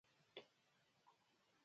د جیمز ویب ټېلسکوپ څېړنې حیرانوونکې دي.